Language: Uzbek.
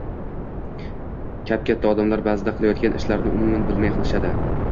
– kap-katta odamlar ba’zida qilayotgan ishlarini umuman bilmay qilishadi.